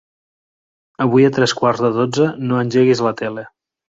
Avui a tres quarts de dotze no engeguis la tele.